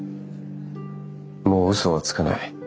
もう嘘はつかない。